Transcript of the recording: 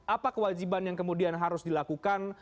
apa kewajiban yang kemudian harus dilakukan